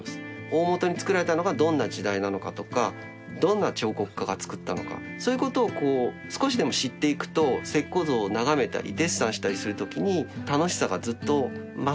大本に作られたのがどんな時代なのかとかどんな彫刻家が作ったのかそういうことを少しでも知っていくと石こう像を眺めたりデッサンしたりするときに楽しさがずっと増すと思うんですよね。